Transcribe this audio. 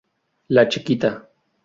La chiquita.